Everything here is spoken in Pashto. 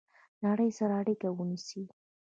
نړۍ سره اړیکه ونیسئ